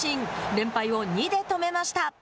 連敗を２で止めました。